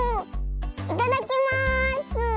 いただきます！